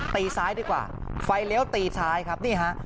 ตีซ้ายดีกว่าไฟเลี้ยวตีซ้ายครับนี่ฮะ